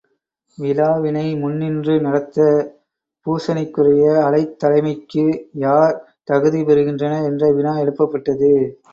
விழாவினை முன்னின்று நடத்தப் பூசனைக்குரிய அலைத் தலைமைக்கு யார் தகுதி பெறுகின்றனர் என்ற வினா எழுப்பப்பட்டது.